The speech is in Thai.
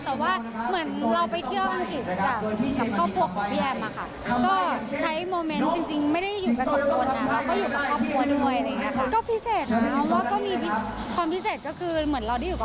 แต่ว่าเหมือนเราไปเที่ยวอังกฤษกับครอบครัวของพี่แอมอะค่ะ